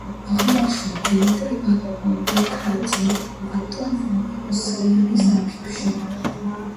აღმოაჩინა დიმიტრი ბაქრაძემ პლატონ იოსელიანის არქივში.